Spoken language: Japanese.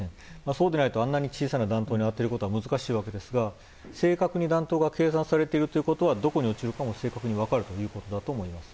そうでないとあんなに小さな弾頭に当てることは難しいですが正確に弾頭が計算されているということはどこに落ちるかも正確に分かるということだと思います。